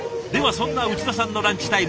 そんな内田さんのランチタイム！